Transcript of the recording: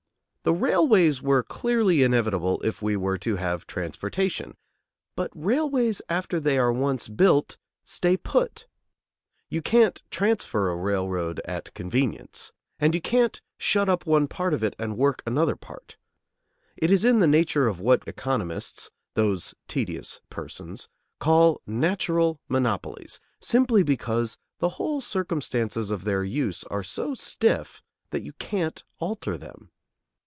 The railways were clearly inevitable if we were to have transportation, but railways after they are once built stay put. You can't transfer a railroad at convenience; and you can't shut up one part of it and work another part. It is in the nature of what economists, those tedious persons, call natural monopolies; simply because the whole circumstances of their use are so stiff that you can't alter them.